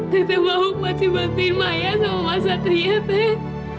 teteh mahu masih membantu saya sama mas satria teteh